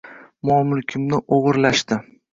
Mol-mulkimni o’g’irlashdi.